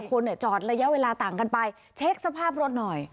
คนจอดระยะเวลาต่างกันไปเช็คสภาพรถหน่อย